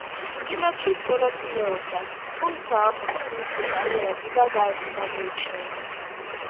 ფილმებშიც მონაწილეობდა, თუმცა ამ მხრივ მისი კარიერა დიდად არ გამოირჩეოდა.